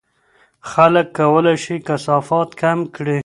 خلک کولای شي کثافات کم کړي.